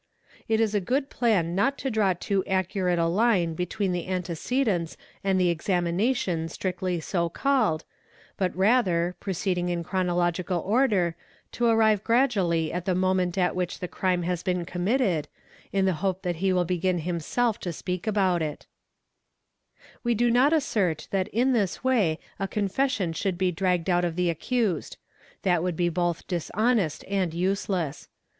It is a good plan not to draw too accurate a line between the antecedents and the examination strictly so called, but rather, pro eeding in chronological order, to arrive gradually at the moment "at which the crime has been committed, in the hope that he will begin himself to speak about it. 116 ; EXAMINATION OF ACCUSED We do not assert that in this way a confession should be dragged out — of the accused; that would be both dishonest and useless.